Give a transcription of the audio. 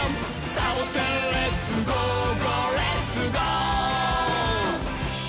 「サボテンレッツゴー！ゴーレッツゴー！」